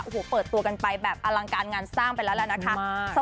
โอ้โหเปิดตัวกันไปแบบอลังการงานสร้างไปแล้วแล้วนะคะ